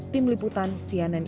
tim liputan cnnn